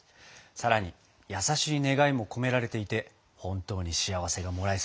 さらに優しい願いも込められていて本当に幸せがもらえそうです！